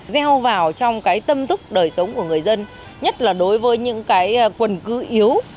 gieo vào trong cái tâm thức đời sống của người dân nhất là đối với những cái quần cư yếu